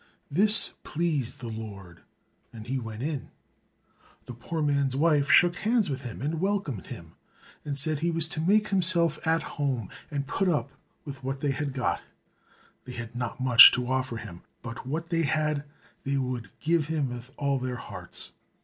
This pleased the Lord, and he went in. The poor man's wife shook hands with him, and welcomed him, and said he was to make himself at home and put up with what they had got; they had not much to offer him, but what they had they would give him with all their hearts.